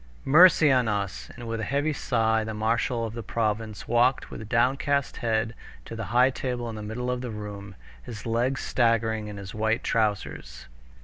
"Mercy on us!" and with a heavy sigh the marshal of the province walked with downcast head to the high table in the middle of the room, his legs staggering in his white trousers.